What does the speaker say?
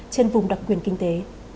trên vùng đặc quyền kinh tế